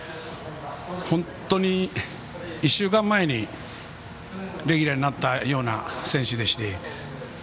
本当に１週間前にレギラーになったような選手でして。